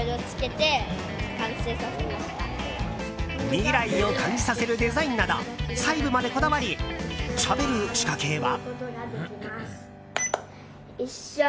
未来を感じさせるデザインなど細部までこだわりしゃべる仕掛けは。